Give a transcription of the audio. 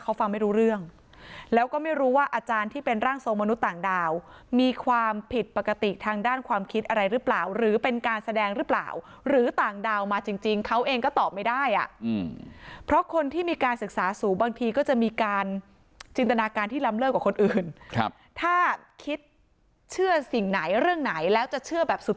เขาฟังไม่รู้เรื่องแล้วก็ไม่รู้ว่าอาจารย์ที่เป็นร่างทรงมนุษย์ต่างดาวมีความผิดปกติทางด้านความคิดอะไรหรือเปล่าหรือเป็นการแสดงหรือเปล่าหรือต่างดาวมาจริงจริงเขาเองก็ตอบไม่ได้อ่ะเพราะคนที่มีการศึกษาสูงบางทีก็จะมีการจินตนาการที่ล้ำเลิกกับคนอื่นครับถ้าคิดเชื่อสิ่งไหนเรื่องไหนแล้วจะเชื่อแบบสุด